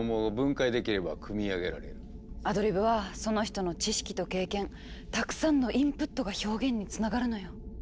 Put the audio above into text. アドリブはその人の知識と経験たくさんのインプットが表現につながるのよ。